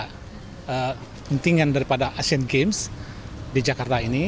kepentingan daripada asian games di jakarta ini